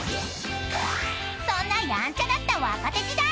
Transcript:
［そんなやんちゃだった若手時代］